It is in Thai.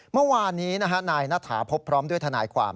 เมื่อวานนี้นายณฐาพบพร้อมด้วยทนายความ